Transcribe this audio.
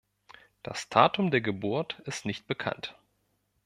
Das Datum der Geburt ist nicht bekannt.